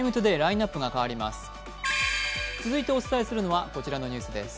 続いてお伝えするのはこちらのニュースです。